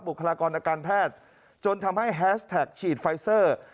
คลากรอาการแพทย์จนทำให้แฮสแท็กฉีดไฟเซอร์